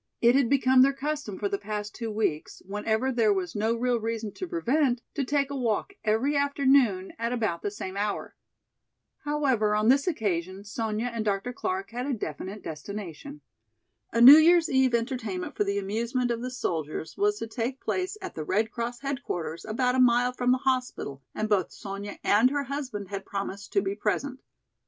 It had become their custom for the past two weeks, whenever there was no real reason to prevent, to take a walk every afternoon at about the same hour. However, on this afternoon, Sonya and Dr. Clark had a definite destination. A New Year's eve entertainment for the amusement of the soldiers was to take place at the Red Cross headquarters about a mile from the hospital and both Sonya and her husband had promised to be present.